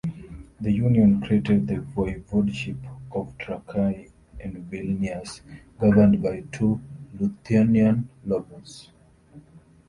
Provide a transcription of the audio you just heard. The union created the Voivodeship of Trakai and Vilnius, governed by two Lithuanian nobles.